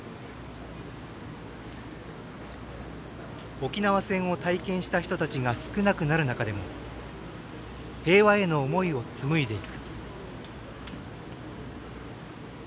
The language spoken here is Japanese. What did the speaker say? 沖縄戦を体験した人たちが少なくなる中でも平和への思いを紡いでいく。